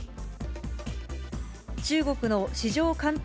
中国の市場監督